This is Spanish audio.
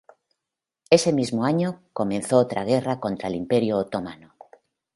Ese mismo año, comenzó otra guerra contra el Imperio otomano.